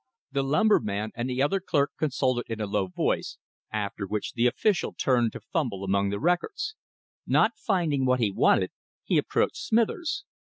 The lumberman and the other clerk consulted in a low voice, after which the official turned to fumble among the records. Not finding what he wanted, he approached Smithers.